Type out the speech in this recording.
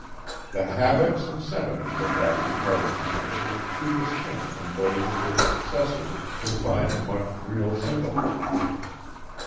The habits and sentiments of that departed people were too distinct from those of their successors to find much real sympathy.